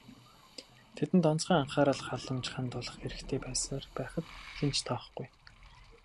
Тэдэнд онцгой анхаарал халамж хандуулах хэрэгтэй байсаар байхад хэн ч тоохгүй.